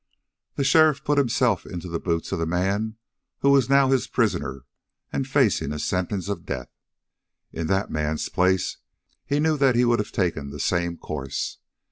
The sheriff put himself into the boots of the man who was now his prisoner and facing a sentence of death. In that man's place he knew that he would have taken the same course.